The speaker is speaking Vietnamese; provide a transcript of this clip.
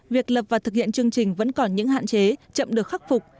việc lập và thực hiện chương trình vẫn còn những hạn chế chậm được khắc phục